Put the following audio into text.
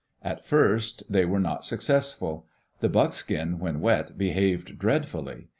At first they were not successful. The buckskin when wet behaved dreadfully.